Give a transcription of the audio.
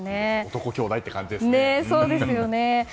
男兄弟って感じですね。